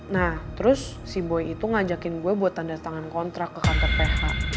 nah terus si boi itu ngajakin gue buat tanda tangan kontrak ke kantor ph